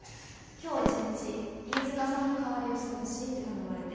今日１日飯塚さんの代わりをしてほしいって頼まれて。